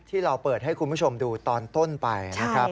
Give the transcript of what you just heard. ที่เราเปิดให้คุณผู้ชมดูตอนต้นไปนะครับ